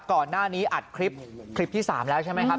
ก่อนหน้านี้อัดคลิปคลิปที่๓แล้วใช่ไหมครับ